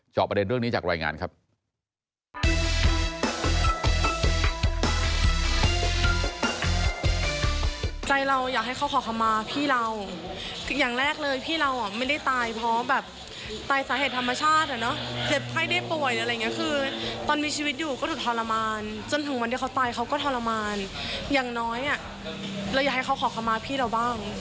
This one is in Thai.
ประเด็นเรื่องนี้จากรายงานครับ